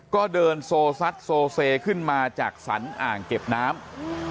ก็เดินโซซัดโซเซขึ้นมาจากสรรอ่างเก็บน้ำ